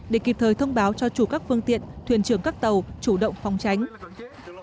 để kịp thời thông báo cho chủ các phương tiện thuyền trưởng các tàu chủ động phòng tránh